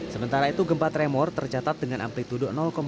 sementara itu gempa tremor tercatat dengan amplitude